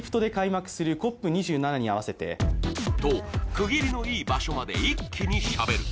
と、区切りのいい場所まで一気にしゃべる。